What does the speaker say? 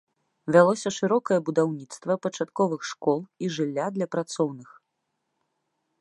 Вялося шырокае будаўніцтва пачатковых школ і жылля для працоўных.